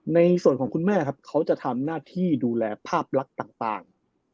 ในส่วนของคุณแม่ครับเขาจะทำหน้าที่ดูแลภาพลักษณ์ต่าง